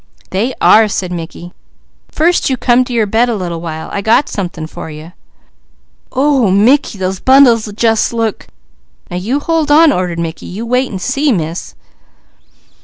"They are!" said Mickey. "First, you come to your bed a little while. I got something for you." "Ooh Mickey! Those bundles jus' look !" "Now you hold on. You wait and see, Miss!"